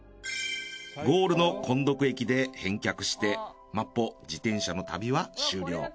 ゴールのコンドク駅で返却して麻浦自転車の旅は終了。